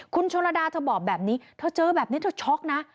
คุณชนระดาเธอบอกแบบนี้เธอเจอแบบนี้เธอช็อกนะ